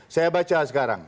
saya baca sekarang